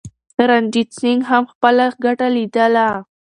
رنجیت سنګ هم خپله ګټه لیدله.